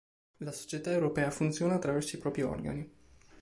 La società europea funziona attraverso i propri organi.